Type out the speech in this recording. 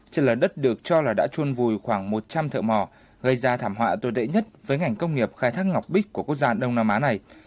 trên lở đất được cho là đã trôn vùi khoảng một trăm linh thợ mò gây ra thảm họa tồi tệ nhất với ngành công nghiệp khai thác ngọc bích của quốc gia đông nam á này